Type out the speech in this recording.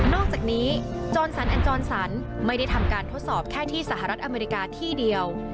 อกจากนี้จรสันอันจรสันไม่ได้ทำการทดสอบแค่ที่สหรัฐอเมริกาที่เดียว